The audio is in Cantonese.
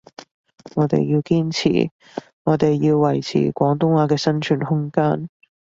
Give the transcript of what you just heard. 我哋要堅持，我哋要維持廣東話嘅生存空間